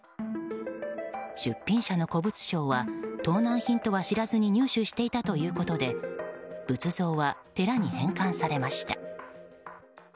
出品者の古物商は盗難品とは知らずに入手していたということで仏像は寺に返還されました。